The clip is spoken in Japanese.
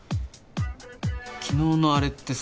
昨日のあれってさ。